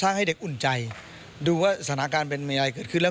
ถ้าให้เด็กอุ่นใจดูว่าสถานการณ์เป็นมีอะไรเกิดขึ้นแล้ว